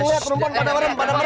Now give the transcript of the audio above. iya ada bolongan